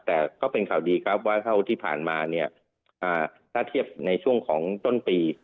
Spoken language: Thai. แต่ก็เป็นข่าวดีครับว่าเท่าที่ผ่านมาเนี่ยถ้าเทียบในช่วงของต้นปี